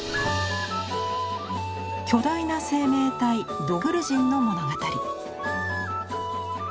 巨大な生命体「ドクルジン」の物語。